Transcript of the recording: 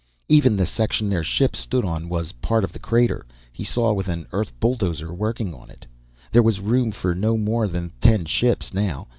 Even the section their ship stood on was part of the crater, he saw, with an Earth bulldozer working on it. There was room for no more than ten ships now.